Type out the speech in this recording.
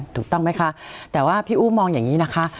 ถูกต้องไหมคะแต่ว่าพี่อู้มองอย่างนี้นะคะ